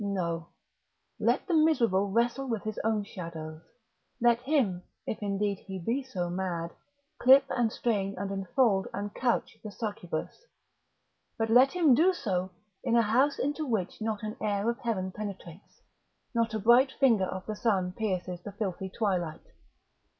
No: let the miserable wrestle with his own shadows; let him, if indeed he be so mad, clip and strain and enfold and couch the succubus; but let him do so in a house into which not an air of Heaven penetrates, nor a bright finger of the sun pierces the filthy twilight.